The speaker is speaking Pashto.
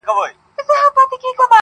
o د پېښي څخه تښته نسته!